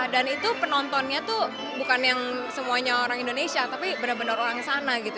dan itu penontonnya tuh bukan yang semuanya orang indonesia tapi benar benar orang sana gitu